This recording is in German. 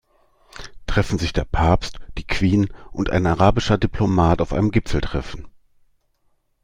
Treffen sich der Papst, die Queen und ein arabischer Diplomat auf einem Gipfeltreffen.